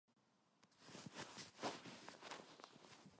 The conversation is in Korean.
그는 벌써 나뭇 가리 옆을 돌아서 부엌으로 들어가는 치맛귀가 얼핏 보이고 사라진다.